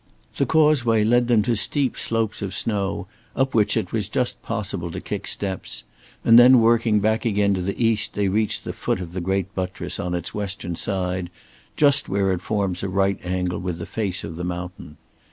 The causeway led them to steep slopes of snow, up which it was just possible to kick steps, and then working back again to the east they reached the foot of the great buttress on its western side just where it forms a right angle with the face of the mountain.